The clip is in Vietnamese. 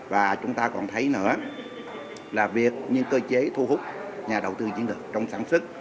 và chúng ta còn thấy nữa là việc những cơ chế thu hút nhà đầu tư chiến lược trong sản xuất